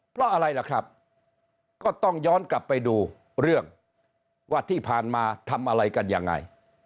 เพราะอะไรล่ะครับก็ต้องย้อนกลับไปดูเรื่องว่าที่ผ่านมาทำอะไรกันยังไง